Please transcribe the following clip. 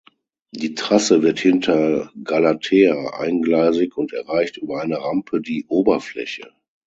Die Trasse wird hinter Galatea eingleisig und erreicht über eine Rampe die Oberfläche.